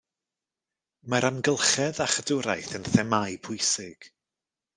Mae'r amgylchedd a chadwraeth yn themâu pwysig.